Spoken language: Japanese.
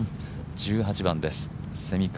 １８番、蝉川です。